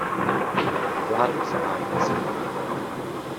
Vládu zahájil slibně.